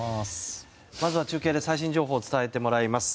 まずは中継で最新情報を伝えてもらいます。